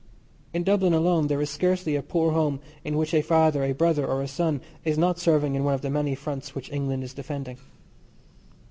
In Dublin alone there is scarcely a poor home in which a father, a brother, or a son is not serving in one of the many fronts which England is defending.